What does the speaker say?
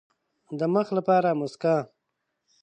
د مخ لپاره موسکا.